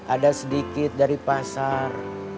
ada sedikit dari pasar